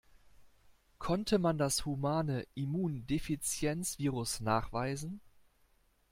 Konnte man das Humane Immundefizienz-Virus nachweisen?